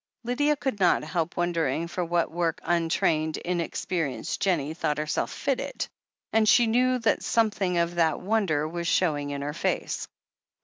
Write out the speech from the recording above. Lydia could not help wondering for what work un trained, inexperienced Jennie thought herself fitted, and she knew that something of that wonder was show ing in her face.